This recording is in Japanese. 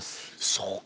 そうか。